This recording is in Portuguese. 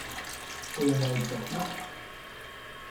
Foi o médico aqui?